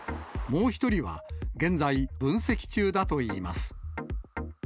もう１人は現在、分析中だといいます。